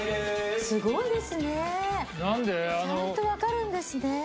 すごいですねちゃんと分かるんですね。